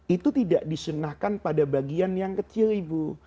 itu tidak disunnahkan pada bagian yang kecil ibu